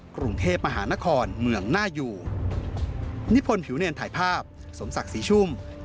กรุงเทพฯมหานครเมืองน่าอยู่